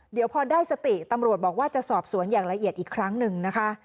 เดี๋ยวพอได้สติตำรวจบอกว่าจะสอบสวนอย่างละเอียดอีกครั้งหนึ่งนะคะ